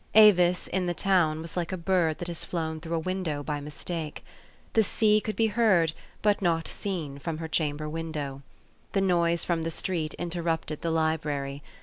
Avis in the town was like a bird that has flown through a window by mistake. The sea could be heard, but not seen, from her chamber window. The noise from the street interrupted the library.